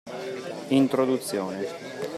Introduzione.